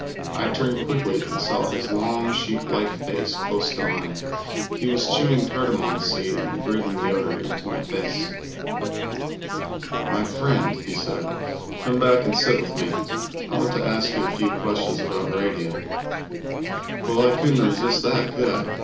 I turned quickly and saw his long sheeplike face close to mine. He was chewing cardamon seed and breathing the odor into my face. [Illustration: Outraged citizens were removing their dead.] "My friend," he said, "come back and sit with me; I want to ask you a few questions about radio." Well, I couldn't resist that, could I?